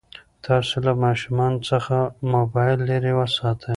تاسو له ماشومانو څخه موبایل لرې وساتئ.